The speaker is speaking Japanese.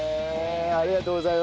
ありがとうございます。